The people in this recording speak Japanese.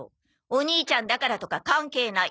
お兄ちゃんだからとか関係ない。